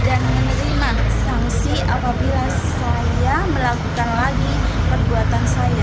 dan menerima sanksi apabila saya melakukan lagi perbuatan saya